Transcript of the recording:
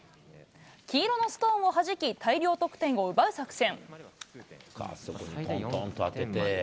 黄色のストーンをはじき、大量得点を奪う作戦。